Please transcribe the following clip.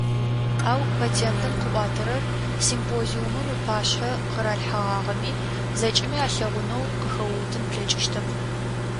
Ау, патентым къыӏуатэрэр, симпозиумым ыпашъхьэ къыралъхьэгъагъэми, зэкӏэми алъэгъунэу къыхэуутын плъэкӏыщтэп.